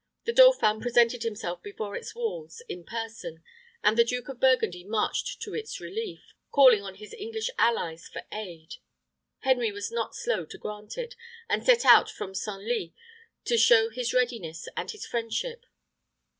The dauphin presented himself before its walls in person, and the Duke of Burgundy marched to its relief, calling on his English allies for aid. Henry was not slow to grant it, and set out from Senlis to show his readiness and his friendship.